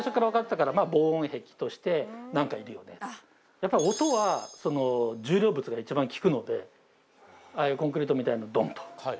やっぱり音は重量物が一番効くのでああいうコンクリートみたいのをドン！と。